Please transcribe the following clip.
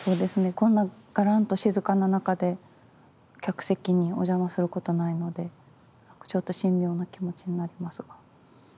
こんながらんと静かな中で客席にお邪魔することないのでちょっと神妙な気持ちになりますが。